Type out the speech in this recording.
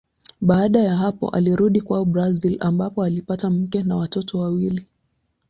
Baada ya hapo alirudi kwao Brazili ambapo alipata mke na watoto wawili.